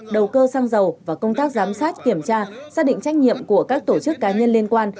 đầu cơ xăng dầu và công tác giám sát kiểm tra xác định trách nhiệm của các tổ chức cá nhân liên quan